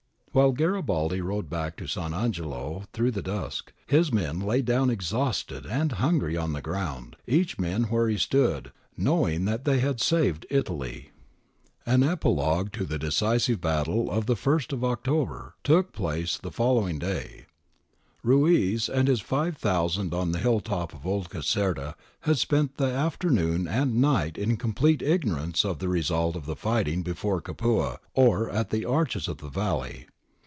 While Garibaldi rode back to Sant' Angelo through the dusk, his men lay down exhausted and hungry on the ground, each man where he stood, knowing that they had saved Italy.' ' Appendix L, 5, below. AN EPILOGUE NEXT DAY 253 An epilogue to the decisive battle of the first of October took place on the following day. Ruiz and his five thousand on the hill top of Old Caserta had spent the afternoon and night in complete ignorance of the re sult of the fighting before Capua or at the Arches of the Valley.